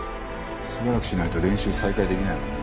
しばらくしないと練習再開できないもんな。